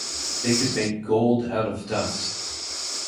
They could make gold out of dust.